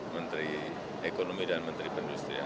menteri ekonomi dan menteri pendustrian belum